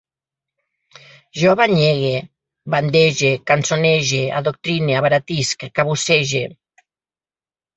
Jo banyegue, bandege, cançonege, adoctrine, abaratisc, cabussege